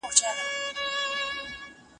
ماشومانو ته په ټولګي کي د بیان ازادي ورکړئ.